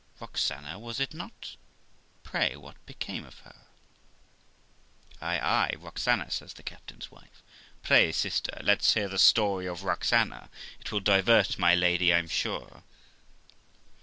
Roxana, was it not? Pray, what became of her?' 364 THE LIFE OF ROXANA 'Ay, ay, Roxana', says the captain's wife; 'pray, sister, let's hear the story of Roxana; it will divert my lady, I'm sure.'